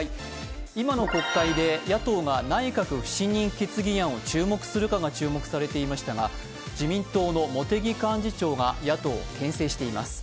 今の国会で野党が内閣不信任決議案を提出するか注目されていましたが自民党の茂木幹事長が野党を牽制しています。